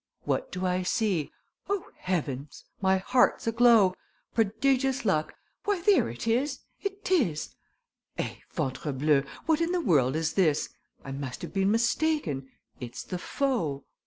What do I see? O, heavens, my heart's aglow: Prodigious luck ! Why, there it is, it is! Eh! ventrebleu, what in the world is this? I must have been mistaken it's the foe.